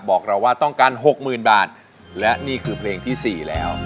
บอกเราว่าต้องการ๖๐๐๐บาทและนี่คือเพลงที่๔แล้ว